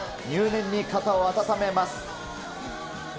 入念に肩を温めます。